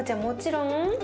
もちろん。